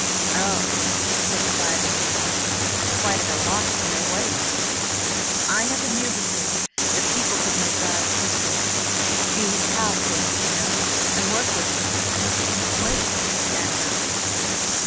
"Oh!" said Clive inanely, quite at a loss to know what he meant. "I never knew before that people could know God personally, be His pal sort of, you know, and work with Him, and it's been GREAT!" added Allison.